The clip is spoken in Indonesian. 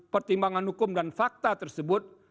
pertimbangan hukum dan fakta tersebut